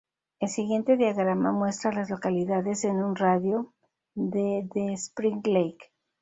El siguiente diagrama muestra a las localidades en un radio de de Spring Lake.